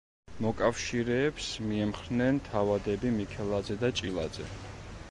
მოკავშირეებს მიემხრნენ თავადები მიქელაძე და ჭილაძე.